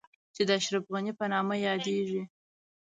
چې د اشرف غني په نامه يادېږي.